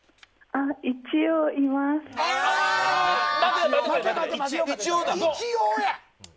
一応や。